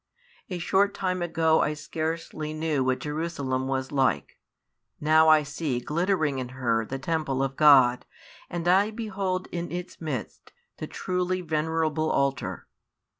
A short time ago I scarcely knew what Jerusalem was like; now I see glittering in her the temple of God, and I behold in its midst the truly venerable altar.